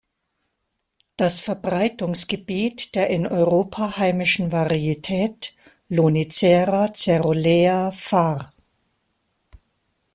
Das Verbreitungsgebiet der in Europa heimischen Varietät "Lonicera caerulea" var.